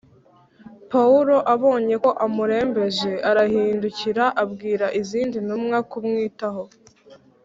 Pawulo abonye ko amurembeje arahindukira abwira izindi ntumwa kumwitaho